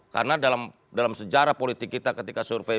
karena dalam sejarah politik kita ketika survei